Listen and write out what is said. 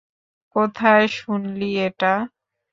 কোথায় শুনলি এটা?